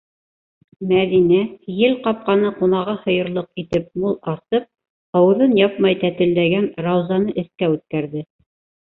Мәҙинә, ел ҡапҡаны ҡунағы һыйырлыҡ итеп мул асып, ауыҙын япмай тәтелдәгән Раузаны эскә үткәрҙе.